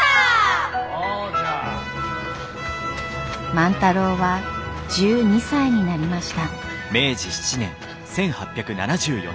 万太郎は１２歳になりました。